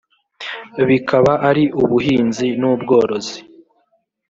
bikaba ari ubuhinzi n ubworozi